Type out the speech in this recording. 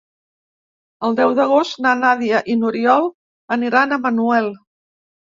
El deu d'agost na Nàdia i n'Oriol aniran a Manuel.